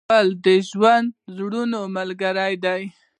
ګل د ژوندي زړونو ملګری دی.